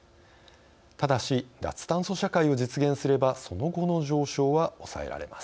ただし、脱炭素社会を実現すればその後の上昇は抑えられます。